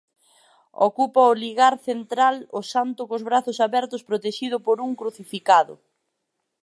Ocupa o ligar central o santo cos brazos abertos protexido por un crucificado.